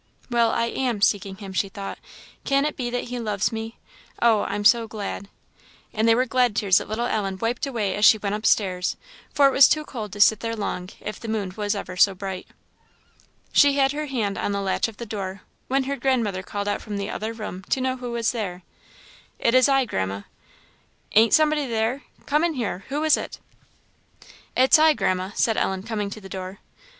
"Well, I am seeking Him," she thought "can it be that he loves me! Oh, I'm so glad!" And they were glad tears that little Ellen wiped away as she went upstairs, for it was too cold to sit there long, if the moon was ever so bright. She had her hand on the latch of the door, when her grandmother called out from the other room to know who was there. "It's I, grandma." "Ain't somebody there? Come in here who is it?" "It's I, Grandma," said Ellen, coming to the door.